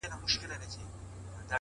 تک سپين کالي کړيدي،